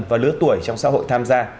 và lứa tuổi trong xã hội tham gia